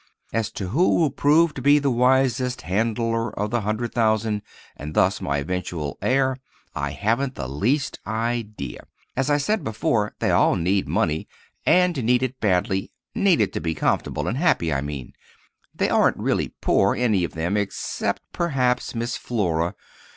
As to who will prove to be the wisest handler of the hundred thousand, and thus my eventual heir, I haven't the least idea. As I said before, they all need money, and need it badly—need it to be comfortable and happy, I mean. They aren't really poor, any of them, except, perhaps, Miss Flora.